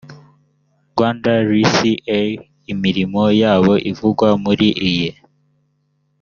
rwanda rca imirimo yabo ivugwa muri iyi